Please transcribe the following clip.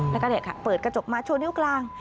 แล้วก็เปิดกระจกมาชูนิ้วกลาง